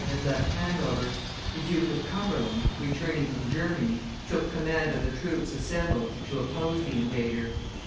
had left Hanover; the Duke of Cumberland, returning from Germany, took the command of the troops assembled to oppose the invader.